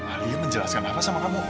ali menjelaskan apa sama kamu